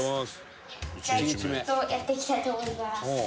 じゃあちょっとやっていきたいと思います。